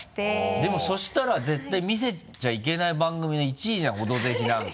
でもそうしたら絶対見せちゃいけない番組の１位じゃん「オドぜひ」なんか。